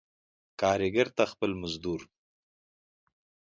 کاريګر ته خپل مز ور